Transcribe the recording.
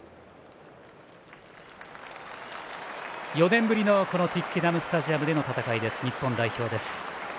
４年ぶりのトゥイッケナムスタジアムでの戦いです日本代表です。